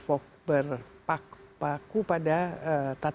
tapi mereka harus menjadi masyarakat yang sempurna untuk menjadi masyarakat